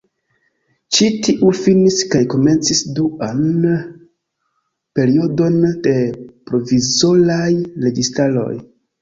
Ĉi tiu finis kaj komencis duan periodon de provizoraj registaroj.